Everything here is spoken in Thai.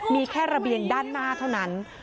มีแค่ระเบียงด้านหน้าเท่านั้น